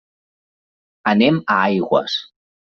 Anem a Aigües.